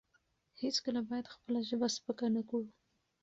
هیڅکله باید خپله ژبه سپکه نه کړو.